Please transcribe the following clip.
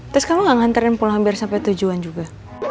terus kamu gak nganterin pulang biar sampai tujuan juga